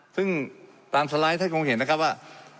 ซึ่งตามสไลด์ท่านคงเห็นนะครับว่า